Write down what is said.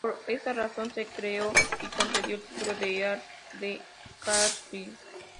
Por esta razón se creó y concedió el título de Earl de Carlisle.